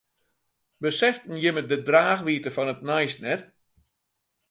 Beseften jimme de draachwiidte fan it nijs net?